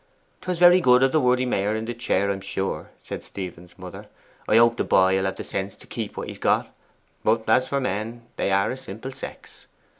''Twas very good of the worthy Mayor in the chair I'm sure,' said Stephen's mother. 'I hope the boy will have the sense to keep what he's got; but as for men, they are a simple sex.